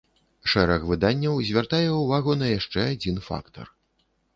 Шэраг выданняў звяртае ўвагу на яшчэ адзін фактар.